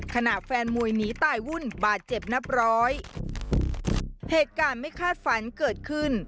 ขณะแฟนมวยหนีตายวุ่นบาดเจ็บนับร้อยเหตุการณ์ไม่คาดฝันเกิดขึ้น